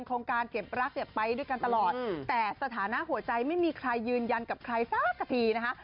โครงการเก็บรักเนี่ยไปด้วยกันตลอดแต่สถานะหัวใจไม่มีใครยืนยันกับใครสักสักทีนะคะ